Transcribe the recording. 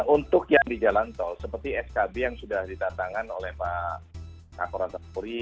untuk yang di jalan tol seperti skb yang sudah ditatangan oleh pak kapolan sapuri